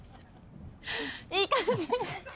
いい感じ。